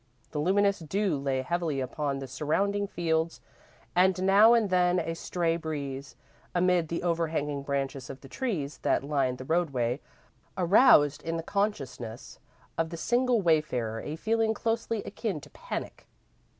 The luminous dew lay heavily upon the surrounding fields, and now and then a stray breeze, amid the overhanging branches of the trees that lined the roadway, aroused in the consciousness of the single wayfarer a feeling closely akin to panic.